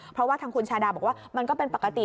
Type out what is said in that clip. เพราะว่าทางคุณชาดาบอกว่ามันก็เป็นปกติ